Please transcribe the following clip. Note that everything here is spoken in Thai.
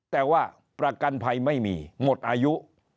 แต่ว่าประกันภัยไม่มีหมดอายุ